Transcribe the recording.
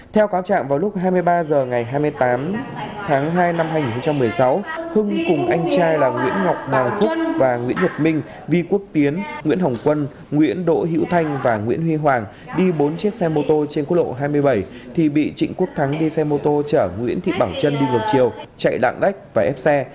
theo cáo trạng vào lúc hai mươi ba h ngày hai mươi tám tháng hai năm hai nghìn một mươi sáu hưng cùng anh trai là nguyễn ngọc hoàng phúc và nguyễn nhật minh vi quốc tiến nguyễn hồng quân nguyễn đỗ hữu thanh và nguyễn huy hoàng đi bốn chiếc xe mô tô trên quốc lộ hai mươi bảy thì bị trịnh quốc thắng đi xe mô tô chở nguyễn thị bảo trân đi ngược chiều chạy lạng lách và ép xe